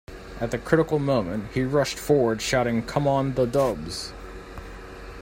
At the critical moment he rushed forward shouting Come on the Dubs!